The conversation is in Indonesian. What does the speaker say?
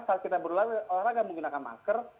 saat kita berolahraga menggunakan masker